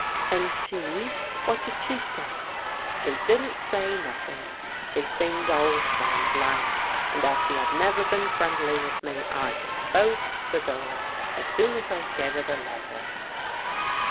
And she ? What did she say ?" She didn't say nothink. She seemed all sttinned like, and as she 'ad never been friendly with me, I just closed the door as soon as I give 'er the letter."